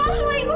ya allah ibu